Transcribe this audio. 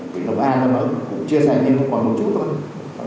quỹ lập an nó cũng chia sạch nhưng nó còn một chút thôi